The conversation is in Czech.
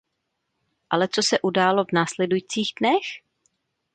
Ale co se událo v následujících dnech?